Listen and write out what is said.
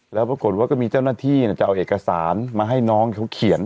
แล้วปรากฏว่าก็มีเจ้าหน้าที่จะเอาเอกสารมาให้น้องเขาเขียน